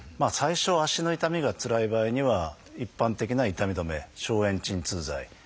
最初足の痛みがつらい場合には一般的な痛み止め消炎鎮痛剤。